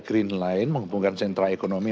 green line menghubungkan sentra ekonomi